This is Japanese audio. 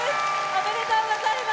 おめでとうございます。